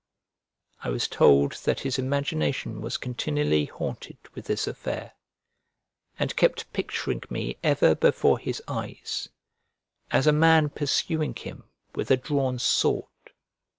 I was told that his imagination was continually haunted with this affair, and kept picturing me ever before his eyes, as a man pursuing him with a drawn sword.